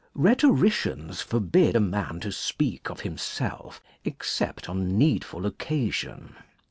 Rhetoricians forbid a man to speak of a. himself, except on needful occasion.